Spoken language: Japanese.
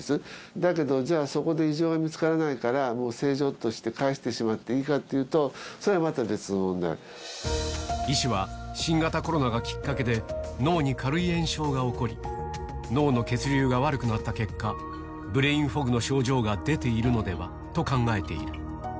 だけど、じゃあ、そこで異常が見つからないから、もう正常として解してしまっていいかというと、それはまた別の問医師は、新型コロナがきっかけで、脳に軽い炎症が起こり、脳の血流が悪くなった結果、ブレインフォグの症状が出ているのではと考えている。